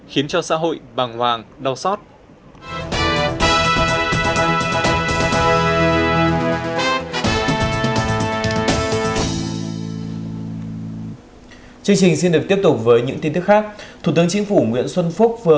khiến cho xã hội bằng hoàng đau xót